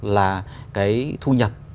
là thu nhập